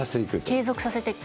継続させていく。